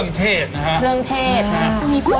สวัสดีครับสวัสดีครับ